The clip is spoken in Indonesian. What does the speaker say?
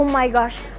hampir mbak mbak buta